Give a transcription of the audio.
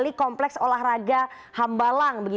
kembali kompleks olahraga hambalang